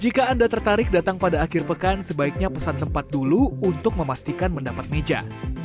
jika anda tertarik datang pada akhir pekan sebaiknya pesan tempat dulu untuk memastikan mendapat meja